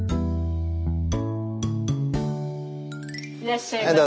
いらっしゃいませ。